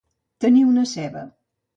Tenir una ceba.